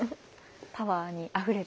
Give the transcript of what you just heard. パワーにあふれて。